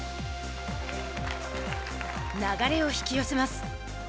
流れを引き寄せます。